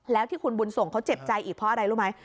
แล้วที่คุณบุญส่งเขาเจ็บใจอีกเพราะอะไรรู้ไหม